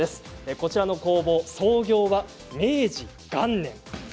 こちらの工房、創業は明治元年です。